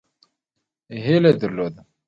هیله درلوده.